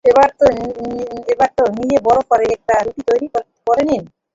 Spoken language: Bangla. এবার ডো নিয়ে বড় করে একটি রুটি তৈরি করে নিন।